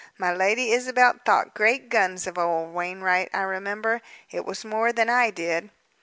My Lady Isabel thought great guns of old Wainwright, I remember. It was more than I did."